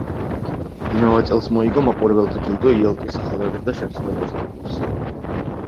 იმავე წელს მოიგო მაყურებელთა ჯილდო იალტის ახალგაზრდა შემსრულებელთა კონკურსზე.